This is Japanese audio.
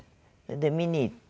で見に行って。